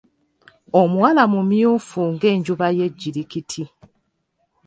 Omuwala mumyufu ng'enjuba y'ejjirikiti.